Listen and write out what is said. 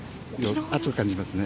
暑く感じますね。